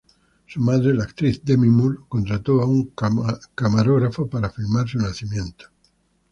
Su madre, la actriz Demi Moore, contrató a un camarógrafo para filmar su nacimiento.